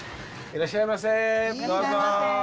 いらっしゃいませ。